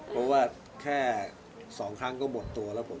เพราะว่าแค่๒ครั้งก็หมดตัวแล้วผม